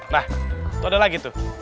nah todel lagi tuh